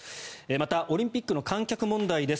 また、オリンピックの観客問題です。